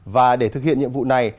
và để thực hiện nhiệm vụ này